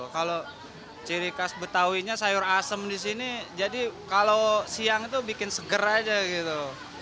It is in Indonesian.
kalau ciri khas betawinya sayur asem di sini jadi kalau siang itu bikin seger aja gitu